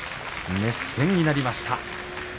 熱戦になりました。